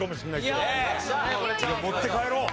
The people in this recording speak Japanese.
持って帰ろう。